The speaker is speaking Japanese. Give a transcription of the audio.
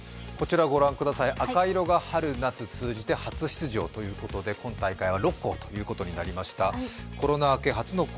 赤色が春夏通じて初出場ということで、今大会は６校ということになりました。